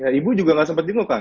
ya ibu juga gak sempet jenguk kang